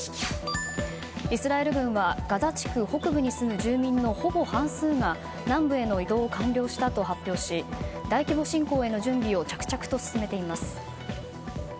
イスラエル軍はガザ地区北部に住む住民のほぼ半数が南部への移動を完了したと発表し大規模侵攻への準備を着々と進めています。